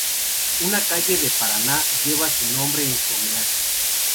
Una calle de Paraná lleva su nombre en su homenaje.